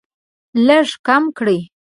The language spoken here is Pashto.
لږ کم کړئ